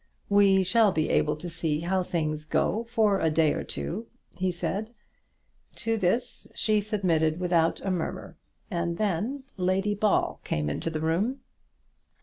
"We shall be able to see how things go for a day or two," he said. To this she submitted without a murmur, and then Lady Ball came into the room.